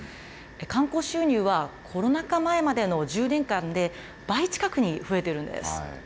観光収入はコロナ禍前までの１０年間で、倍近くに増えているんです。